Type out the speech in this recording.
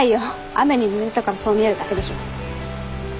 雨にぬれたからそう見えるだけでしょ。